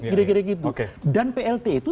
gira gira gitu dan plt itu